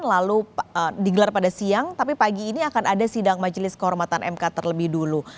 lalu digelar pada siang tapi pagi ini akan ada sidang majelis kehormatan mk terlebih dulu